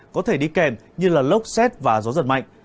có thể đi kèm như lốc xét và gió giật mạnh